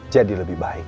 jadi lebih baik